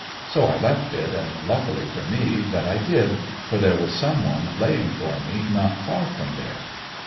So I left it, and luckily for me that I did, for there was some one laying for me not far from there.